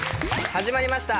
始まりました。